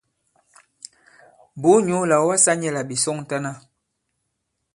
Bùu nyǔ là ɔ̀ wasā nyɛ̄ là ɓè sɔŋtana.